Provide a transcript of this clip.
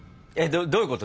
どういうこと？